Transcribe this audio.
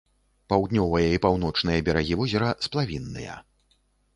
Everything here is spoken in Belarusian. Паўднёвыя і паўночныя берагі возера сплавінныя.